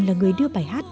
là người đưa bài hát